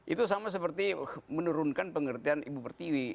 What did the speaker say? itu sama seperti menurunkan pengertian ibu pertiwi